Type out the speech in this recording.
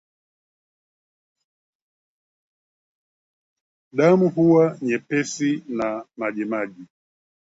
Damu huwa nyepesi na majimaji